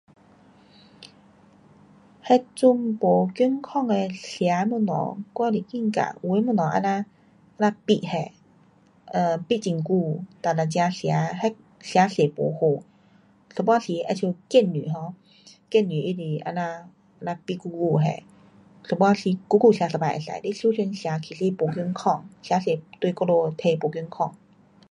那种不健康的吃东西我是觉得有的东西这样腌的，腌很久然后才吃，那吃多不好。有时候好像咸蛋 um 咸蛋它是这样这样腌久久的，有时候久久吃一次可以。你常常其实吃不健康。吃多对我们的体不健康。